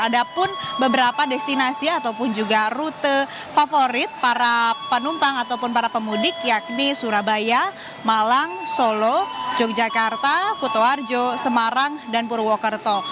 ada pun beberapa destinasi ataupun juga rute favorit para penumpang ataupun para pemudik yakni surabaya malang solo yogyakarta kutoarjo semarang dan purwokerto